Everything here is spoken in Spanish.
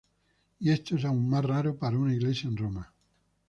Y esto es aún más raro para una iglesia en Roma.